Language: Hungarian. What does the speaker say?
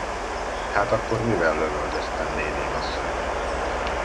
Hát akkor mivel lövöldöztem, nénémasszony?